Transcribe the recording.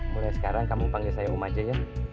mulai sekarang kamu panggil saya om aja ya